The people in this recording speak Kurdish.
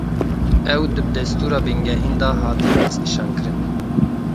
Ew di Destûra Bingehîn de hatîye destnîşan kirin